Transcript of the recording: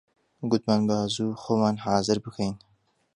گوتمان با زوو خۆمان حازر بکەین